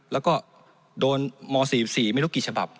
แล้วก็โดนม๔๔ไม่รู้กี่ฉบับ